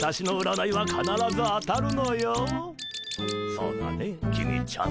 そうだね公ちゃん。